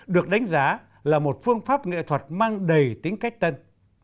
được đánh giá là một phương pháp nghệ thuật mang đầy tính cách tân